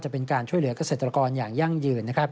เป็นการช่วยเหลือกเกษตรกรอย่างยั่งยืนนะครับ